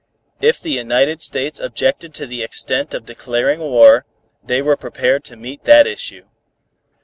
If the United States objected to the extent of declaring war, they were prepared to meet that issue.